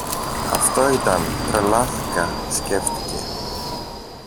Αυτό ήταν, τρελάθηκα, σκέφτηκε